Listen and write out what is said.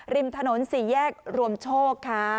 ริมถนนสี่แยกรวมโชคค่ะ